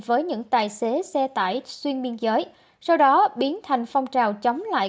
với những tài xế xe tải xuyên biên giới sau đó biến thành phong trào chống lại